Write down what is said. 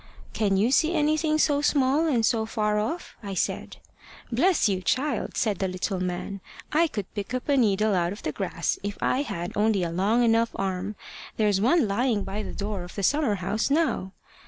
`Can you see anything so small and so far off?' I said. `Bless you, child!' said the little man; `I could pick up a needle out of the grass if I had only a long enough arm. There's one lying by the door of the summer house now.'